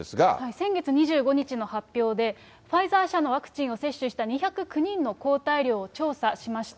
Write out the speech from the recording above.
先月２５日の発表で、ファイザー社のワクチンを接種した２０９人の抗体量を調査しました。